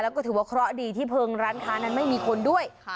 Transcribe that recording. แล้วก็ถือว่าเคราะห์ดีที่เพลิงร้านค้านั้นไม่มีคนด้วย